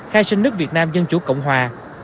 khai sinh nước việt nam dân chủ cộng hòa